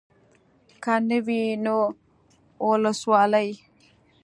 که نه وي نو اولسوالي.